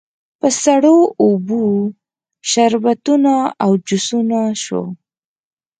په سړو اوبو، شربتونو او جوسونو شوه.